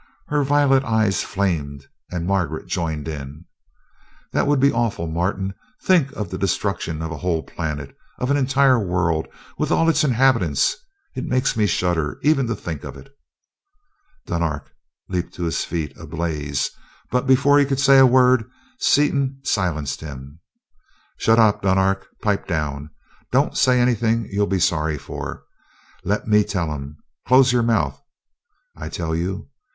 Her violet eyes flamed, and Margaret joined in: "That would be awful, Martin. Think of the destruction of a whole planet of an entire world with all its inhabitants! It makes me shudder, even to think of it." Dunark leaped to his feet, ablaze. But before he could say a word, Seaton silenced him. "Shut up, Dunark! Pipe down! Don't say anything you'll be sorry for let me tell 'em! Close your mouth, I tell you!"